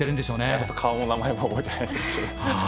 いや顔も名前も覚えてないんですけど。